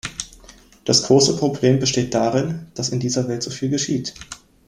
Das große Problem besteht darin, dass in dieser Welt so viel geschieht.